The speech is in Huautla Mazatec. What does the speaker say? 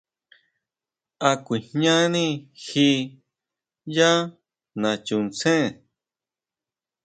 ¿A kuijñani ji yá nachuntsén?